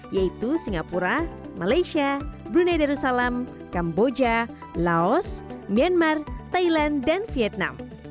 yaitu singapura malaysia brunei darussalam kamboja laos myanmar thailand dan vietnam